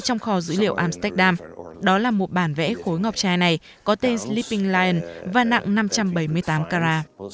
trong kho dữ liệu amsterdam đó là một bản vẽ khối ngọc trai này có tên sleeping lion và nặng năm trăm bảy mươi kg